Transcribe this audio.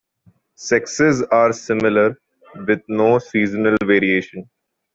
Sexes are similar, with no seasonal variation.